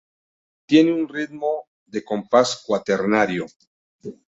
Tiene un ritmo de compás cuaternario.